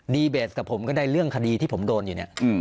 เบสกับผมก็ได้เรื่องคดีที่ผมโดนอยู่เนี่ย